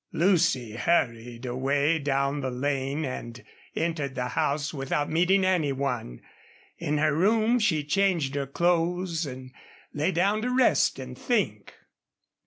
Lucy hurried away down the lane and entered the house without meeting any one. In her room she changed her clothes and lay down to rest and think.